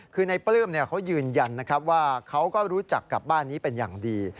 คือในปลื้มเขายืนยันนะครับว่าเขาก็รู้จักกับบ้านนี้เป็นอย่างดี